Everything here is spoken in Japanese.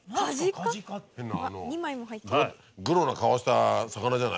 変なあのグロな顔した魚じゃない？